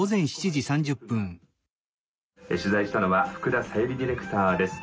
取材したのは福田紗友里ディレクターです。